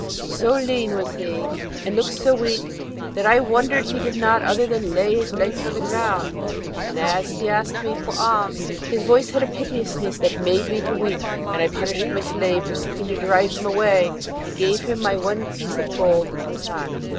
So lean was he, and looked so weak that I wondered he did other than lay his length on the ground; and as he asked me for alms his voice had a piteousness that made me to weep, and I punished my slave for seeking to drive him away, and gave my one piece of gold into his hand.